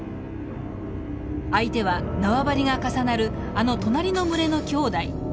相手は縄張りが重なるあの隣の群れのきょうだい。